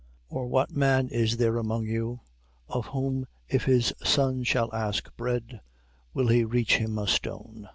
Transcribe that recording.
7:9. Or what man is there among you, of whom if his son shall ask bread, will he reach him a stone?